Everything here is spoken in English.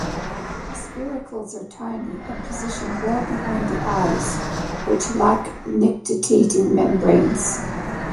The spiracles are tiny and positioned well behind the eyes, which lack nictitating membranes.